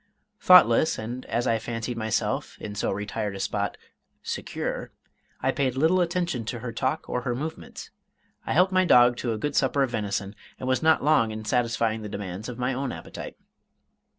Thoughtless, and as I fancied myself, in so retired a spot, secure, I paid little attention to her talk or her movements. I helped my dog to a good supper of venison, and was not long in satisfying the demands of my own appetite.